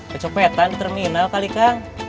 kecopetan di terminal kali kang